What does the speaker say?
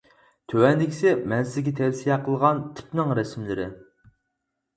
تۆۋەندىكىسى مەن سىزگە تەۋسىيە قىلغان تىپنىڭ رەسىملىرى.